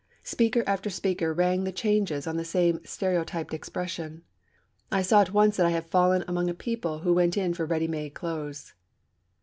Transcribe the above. Speaker after speaker rang the changes on the same stereotyped expressions. I saw at once that I had fallen among a people who went in for ready made clothes.